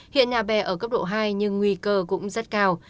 hiện nhà bè ở cấp độ hai nhưng nguy cơ cũng rất cao